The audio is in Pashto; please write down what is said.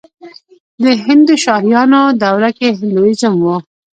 د هندوشاهیانو دوره کې هندویزم و